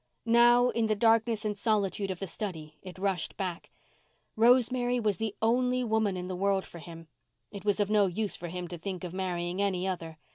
Now, in the darkness and solitude of the study it rushed back. Rosemary was the only woman in the world for him. It was of no use for him to think of marrying any other.